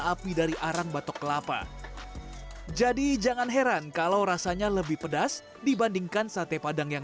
api dari arang batok kelapa jadi jangan heran kalau rasanya lebih pedas dibandingkan sate padang yang